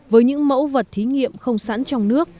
với những mẫu vật thí nghiệm không sẵn trong nước